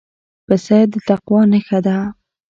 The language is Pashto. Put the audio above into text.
پسه د تقوی نښه ده.